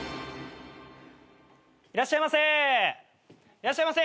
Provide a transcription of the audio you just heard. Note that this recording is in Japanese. ・いらっしゃいませ。